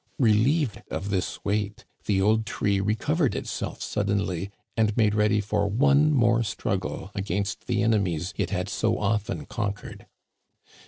Relieved of this weight, the old tree recovered itself suddenly, and made ready for one more struggle against the enemies it had so often conquered.